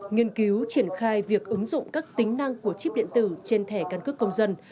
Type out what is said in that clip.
nghiên cứu triển khai việc ứng dụng các tính năng của chip điện tử trên thẻ căn cước công dân